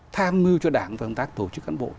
tham mưu cho đảng và công tác tổ chức cán bộ